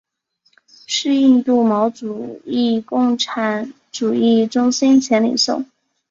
是印度毛主义共产主义中心前领袖。